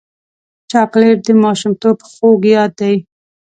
چاکلېټ د ماشومتوب خوږ یاد دی.